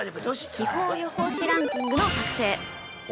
気象予報士ランキングの作成。